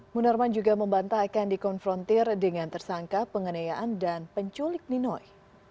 munarman juga membantah akan dikonfrontir dengan tersangka penganiayaan dan penculik ninoi